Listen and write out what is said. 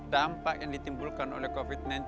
dampak yang ditimbulkan oleh covid sembilan belas